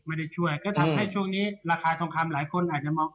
ช่วยก็ทำให้ช่วงนี้ราคาทองคำหลายคนอาจจะมอง